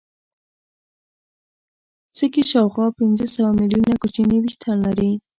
سږي شاوخوا پنځه سوه ملیونه کوچني وېښتان لري.